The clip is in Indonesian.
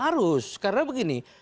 harus karena begini